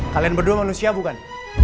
kalian berdua manusia bukan